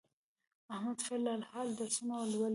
احمد فل الحال درسونه لولي.